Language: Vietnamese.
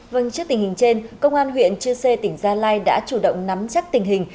vâng trước tình hình trên công an huyện chư sê tỉnh gia lai đã chủ động nắm chắc tình hình